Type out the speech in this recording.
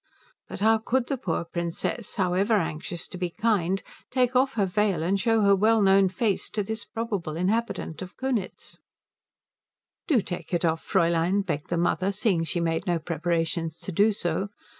But how could the poor Princess, however anxious to be kind, take off her veil and show her well known face to this probable inhabitant of Kunitz? "Do take it off, Fräulein," begged the mother, seeing she made no preparations to do so.